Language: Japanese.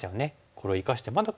これを生かしてまだ黒